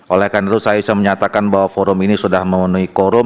oleh karena itu saya bisa menyatakan bahwa forum ini sudah memenuhi korup